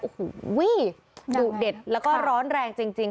โอ้โหดุเด็ดแล้วก็ร้อนแรงจริง